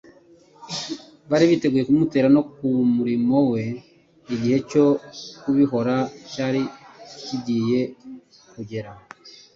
Bari biteguye kumutera no ku murimo we, igihe cyo kubihora cyari kigiye kugera.